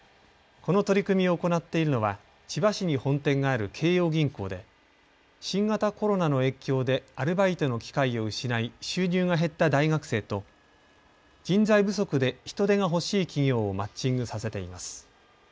この取り組みを行っているのは千葉市に本店がある京葉銀行で新型コロナの影響でアルバイトの機会を失い収入が減った大学生と人材不足で人手が欲しい企業をマッチングさせています。